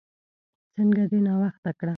څنګه دې ناوخته کړه؟